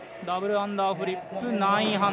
ダブルアンダーフリップ９００。